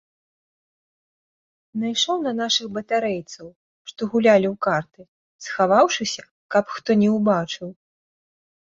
Найшоў на нашых батарэйцаў, што гулялі ў карты, схаваўшыся, каб хто не ўбачыў.